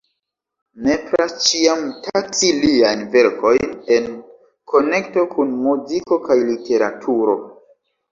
Nepras ĉiam taksi liajn verkojn en konekto kun muziko kaj literaturo.